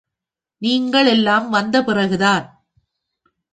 நீங்கள் எல்லாம் வந்த பிறகுதான்.